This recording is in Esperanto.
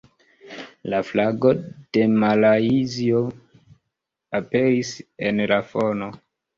La flago de Malajzio aperis en la fono.